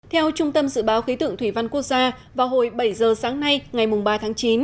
theo trung tâm dự báo khí tượng thủy văn quốc gia vào hồi bảy giờ sáng nay ngày ba tháng chín